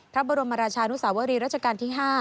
พระบรมราชานุสาวรีรัชกาลที่๕